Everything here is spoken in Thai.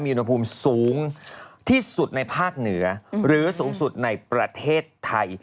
อุณหภูมิสูงที่สุดในภาคเหนือหรือสูงสุดในประเทศไทย